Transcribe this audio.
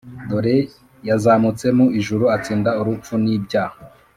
Dore yazamutse mu ijuru atsinda uru pfu ni’ibyaha